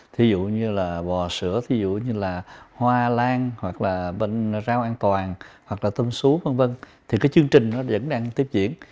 ví dụ như bò sữa hoa lan rau an toàn tôm sú chương trình vẫn đang tiếp diễn